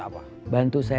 udah ke udara